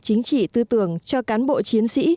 chính trị tư tưởng cho cán bộ chiến sĩ